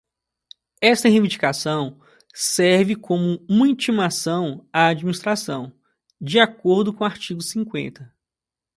Esta reivindicação serve como uma intimação à administração, de acordo com o artigo cinquenta.